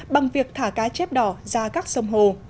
bằng việc thả cá chép đỏ ra các sông hồ